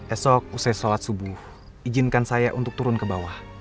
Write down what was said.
esok usai sholat subuh izinkan saya untuk turun ke bawah